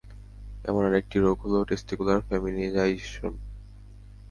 এমন আরেকটি রোগ হলো টেস্টিকুলার ফেমিনাইজেশন।